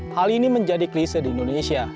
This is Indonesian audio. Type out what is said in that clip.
hal ini menjadi klise di indonesia